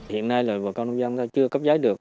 hiện nay là bọn con nông dân chưa cấp giá được